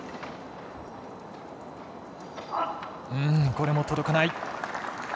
これも届かない。